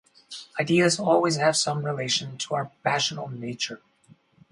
Ideas always have some relation to our passional nature.